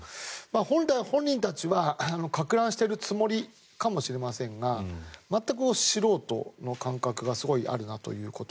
本来、本人たちはかく乱しているつもりかもしれませんが全く素人の感覚がすごいあるなということ。